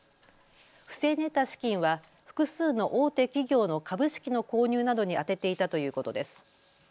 不正に得た資金は複数の大手企業の株式の購入などに充てていたということです。